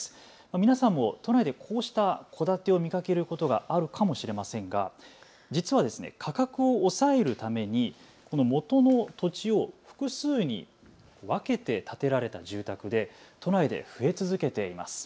皆さんも都内でこうした戸建てを見かけることがあるかもしれませんが、実は価格を抑えるためにもとの土地を複数に分けて建てられた住宅で都内で増え続けています。